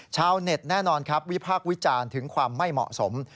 ชาวเน็ตแน่นอนครับวิพากษ์วิจารณ์ถึงความไม่เหมาะสม